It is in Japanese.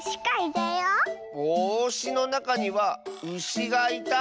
「ぼうし」のなかには「うし」がいた。